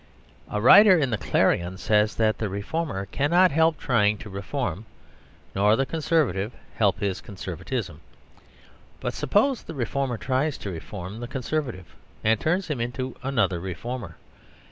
A writer in the "Clarion" says that the reformer cannot help trying to reform, nor the Conservative help his Conservatism. But suppose the reformer tries to reform the Conservative and turn him into another reformer?